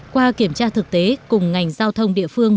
qua kiểm tra thực tế cùng ngành giao thông địa phương